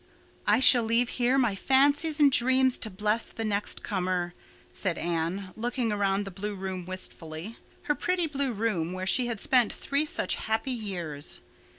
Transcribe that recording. "I shall leave here my fancies and dreams to bless the next comer," said Anne, looking around the blue room wistfully—her pretty blue room where she had spent three such happy years.